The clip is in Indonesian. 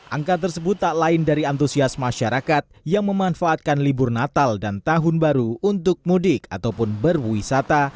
angka tersebut tak lain dari antusias masyarakat yang memanfaatkan libur natal dan tahun baru untuk mudik ataupun berwisata